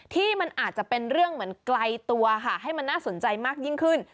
ที่มันอาจจะเป็นเรื่องเหมือนไกลตัวค่ะให้มันน่าสนใจมากยิ่งขึ้น